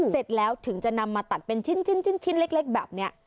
เสร็จแล้วถึงจะนำมาตัดเป็นชิ้นเล็กแบบนี้